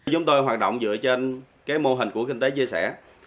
chúng tôi hoạt động dựa trên mô hình của kinh tế chia sẻ